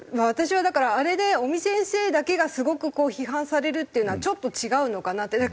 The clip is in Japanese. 私はだからあれで尾身先生だけがすごく批判されるっていうのはちょっと違うのかなって。